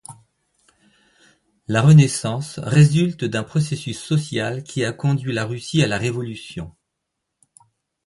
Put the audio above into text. La renaissance résulte d'un processus social qui a conduit la Russie à la révolution.